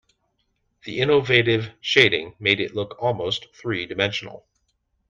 The innovative shading made it look almost three-dimensional.